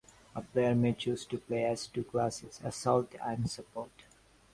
A player may choose to play as two classes: Assault and Support.